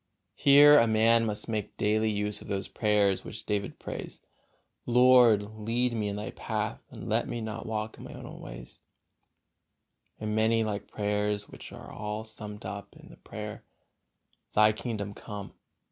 Here a man must make daily use of those prayers which David prays: "Lord, lead me in Thy path, and let me not walk in my own ways," and many like prayers, which are all summed up in the prayer, "Thy kingdom come."